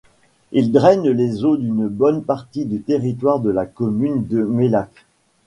Il draine les eaux d'une bonne partie du territoire de la commune de Mellac.